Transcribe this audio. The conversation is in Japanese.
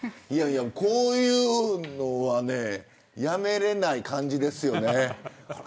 こういうのはねやめられない感じですよね。